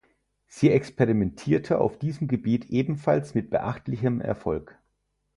Sie experimentierte auf diesem Gebiet ebenfalls mit beachtlichem Erfolg.